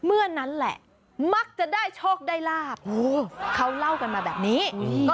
เมื่อนั้นแหละมักจะได้โชคได้ราบโหเขาเล่ากันมาแบบนี้อืม